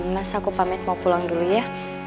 mas aku pamit mau pulang dulu ya